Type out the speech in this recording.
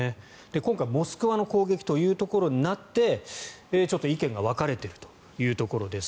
今回、モスクワへの攻撃ということになってちょっと意見が分かれているというところです。